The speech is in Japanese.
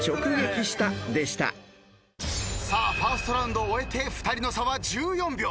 ［さあファーストラウンドを終えて２人の差は１４秒］